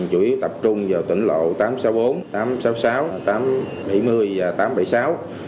chủ yếu tập trung vào tỉnh lộ tám trăm sáu mươi bốn tám trăm sáu mươi sáu tám trăm bảy mươi và tám trăm bảy mươi sáu